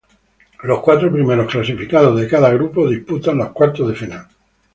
Los cuatro primeros clasificados de cada grupo disputan los cuartos de final.